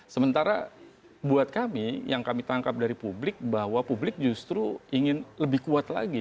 sementara buat kami yang kami tangkap dari publik bahwa publik justru ingin lebih kuat lagi